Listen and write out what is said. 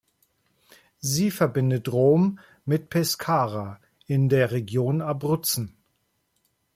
Sie verbindet Rom mit Pescara in der Region Abruzzen.